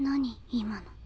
今の。